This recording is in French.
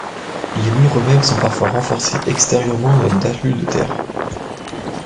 Les murs eux-mêmes sont parfois renforcés extérieurement d’un talus de terre.